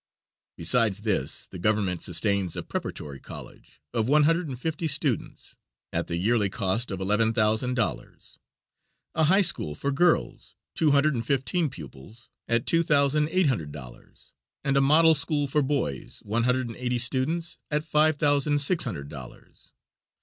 Besides this, the government sustains a preparatory college of one hundred and fifty students, at the yearly cost of eleven thousand dollars; a high school for girls, two hundred and fifteen pupils, at two thousand eight hundred dollars, and a model school for boys, one hundred and eighty students, at five thousand six hundred dollars.